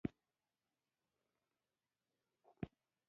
همدا اوس زما په پښه کې اضافي هډوکي شته او بوی کوي.